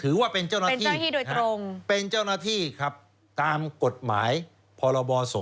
ถือว่าเป็นเจ้าหน้าที่โดยตรงเป็นเจ้าหน้าที่ครับตามกฎหมายพรบ๒